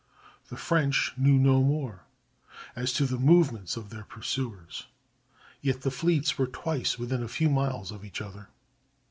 The French knew no more as to the movements of their pursuers, yet the fleets were twice within a few miles of each other.